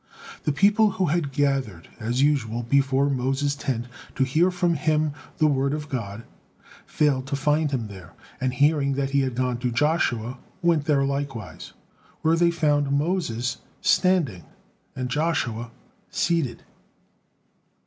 The people who had gathered as usual before Moses' tent to hear from him the word of God, failed to find him there, and hearing that he had gone to Joshua, went there likewise, where they found Moses standing and Joshua seated.